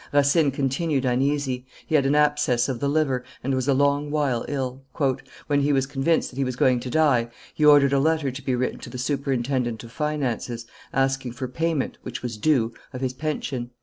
Racine continued uneasy; he had an abscess of the liver, and was a long while ill. "When he was convinced that he was going to die, he ordered a letter to be written to the superintendent of finances, asking for payment, which was due, of his pension.